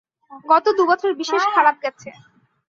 গত দু-বছর বিশেষ খারাপ গেছে।